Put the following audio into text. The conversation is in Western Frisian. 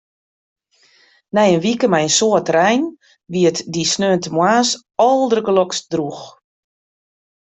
Nei in wike mei in soad rein wie it dy sneontemoarns aldergelokst drûch.